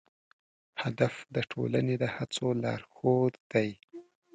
هدف د ټولنې د هڅو لارښود دی.